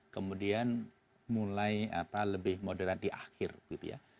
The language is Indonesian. kemudian mulai lebih moderat di akhir gitu ya